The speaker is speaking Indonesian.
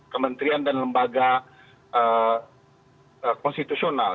kementerian dan lembaga konstitusional